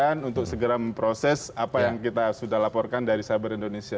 untuk segera memproses apa yang kita sudah laporkan dari cyber indonesia